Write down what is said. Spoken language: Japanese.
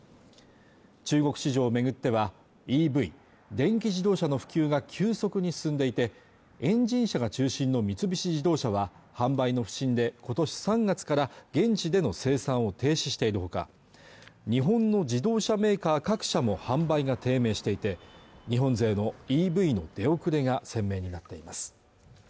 中国市場を巡ってはＥＶ＝電気自動車の普及が急速に進んでいてエンジン車が中心の三菱自動車は販売の不振でことし３月から現地での生産を停止しているほか日本の自動車メーカー各社も販売が低迷していて日本勢のＥＶの出遅れが鮮明になっています